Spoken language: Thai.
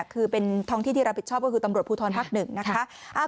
คือเป็นท้องที่ที่รับผิดชอบก็คือตำรวจภูทรภักดิ์๑นะคะ